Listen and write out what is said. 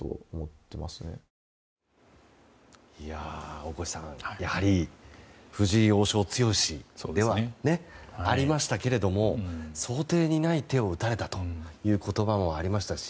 大越さん、やはり藤井王将強しではありましたが想定にない手を打たれたという言葉もありましたし。